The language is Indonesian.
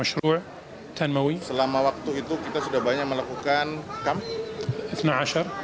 hal ini selesai berlayar sefar miser